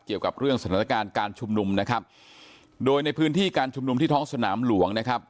เกี่ยวกับเรื่องสถานการณ์การชุมนุมนะครับโดยในพื้นที่การชุมนุมที่ท้องสนามหลวงนะครับ